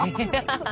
ハハハ。